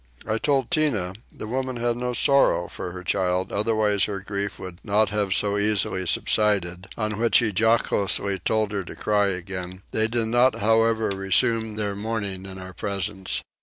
I told Tinah the woman had no sorrow for her child otherwise her grief would not have so easily subsided; on which he jocosely told her to cry again: they did not however resume their mourning in our presence.